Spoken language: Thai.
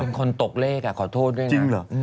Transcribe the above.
เป็นคนตกเลขอะขอโทษด้วยนะจริงเหรอ